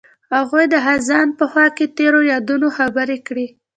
هغوی د خزان په خوا کې تیرو یادونو خبرې کړې.